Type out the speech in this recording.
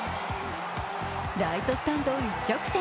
ライトスタンドを一直線。